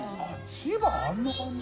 千葉あんな感じ？